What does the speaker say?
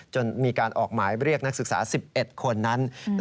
จนมีการออกหมายเรียกนักศึกษา๑๑คนนั้น